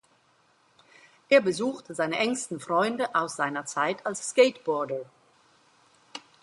Er besucht seine engsten Freunde aus seiner Zeit als Skateboarder.